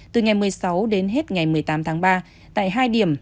từ ngày một mươi sáu đến hết ngày một mươi tám tháng ba